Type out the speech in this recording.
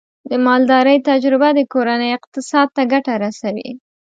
د مالدارۍ تجربه د کورنۍ اقتصاد ته ګټه رسوي.